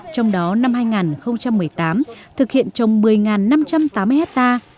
trong đó năm hai nghìn một mươi tám thực hiện trồng một mươi năm trăm tám mươi hectare